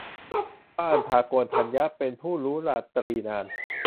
พระอัญญาโกณฑัญญะ เป็นผู้รู้ราตรีนาน